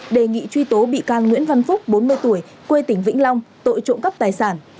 đề nghị truy tố bị can nguyễn văn phúc bốn mươi tuổi quê tỉnh vĩnh long tội trộm cắp tài sản